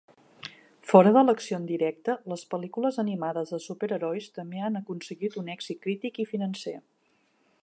Fora de l'acció en directe, les pel·lícules animades de superherois també han aconseguit un èxit crític i financer.